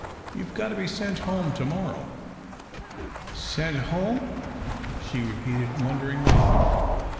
"You've got to be sent home to morrow." "Sent home?" she repeated wonderingly.